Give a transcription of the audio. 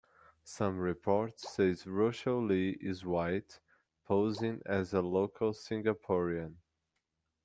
Some reports say Russell Lee is white, posing as a local Singaporean.